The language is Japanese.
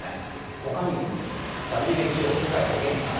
他にも、ＷＨＯ・世界保健機関。